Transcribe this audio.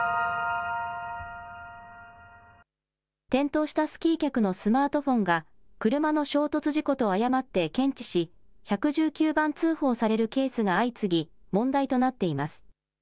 転倒したスキー客のスマートフォンが、車の衝突事故と誤って検知し、１１９番通報されるケースが相次ぎ、問題となっています。